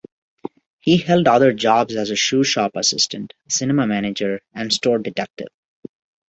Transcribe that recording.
He held other jobs as a shoe shop assistant, cinema manager and store detective.